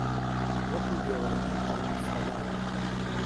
وهکوو دێوانان دڵ موفتهلام